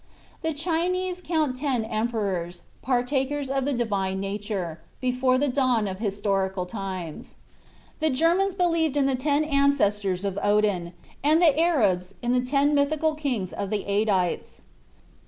The Chinese count ten emperors, partakers of the divine nature, before the dawn of historical times. The Germans believed in the ten ancestors of Odin, and the Arabs in the ten mythical kings of the Adites."